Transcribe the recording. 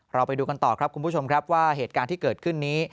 ไปดูกันต่อครับคุณผู้ชมครับว่าเหตุการณ์ที่เกิดขึ้นนี้